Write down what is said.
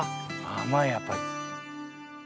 甘いやっぱり。